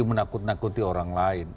menakuti orang lain